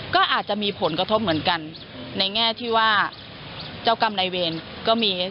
ก็อาจจะมีผลกระทบเหมือนกันในแง่ที่ว่าเจ้ากรรมนายเวรก็มี